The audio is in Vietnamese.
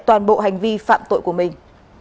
toàn bộ hành vi phạm tội của mình